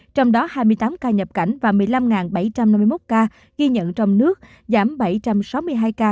trong đó hai mươi tám ca nhập cảnh và một mươi năm bảy trăm năm mươi một ca ghi nhận trong nước giảm bảy trăm sáu mươi hai ca